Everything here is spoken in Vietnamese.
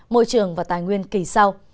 môi trường và tài nguyên kỳ sau